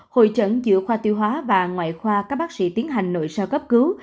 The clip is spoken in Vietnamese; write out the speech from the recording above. hội trận giữa khoa tiêu hóa và ngoại khoa các bác sĩ tiến hành nội sao cấp cứu